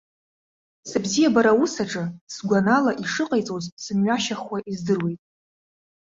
Сыбзиабара аус аҿы, сгәанала, ишыҟаиҵоз сымҩашьахуа издыруеит.